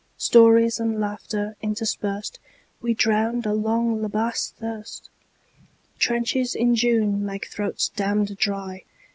Stories and laughter interspersed, We drowned a long La Bassée thirst—Trenches in June make throats damned dry.